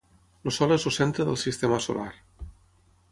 El Sol és el centre del sistema solar.